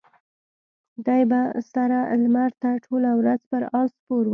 دی به سره لمر ته ټوله ورځ پر آس سپور و.